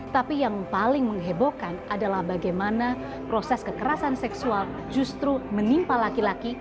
tapi yang paling menghebohkan adalah bagaimana proses kekerasan seksual justru menimpa laki laki